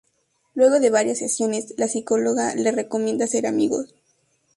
Luego de varias sesiones, la psicóloga le recomienda hacer amigos.